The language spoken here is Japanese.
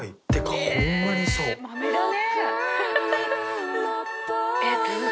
まめだね。